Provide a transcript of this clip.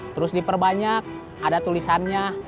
terus diperbanyak ada tulisannya